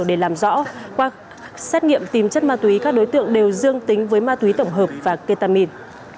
để làm rõ qua xét nghiệm tìm chất ma túy các đối tượng đều dương tính với ma túy tổng hợp và ketamin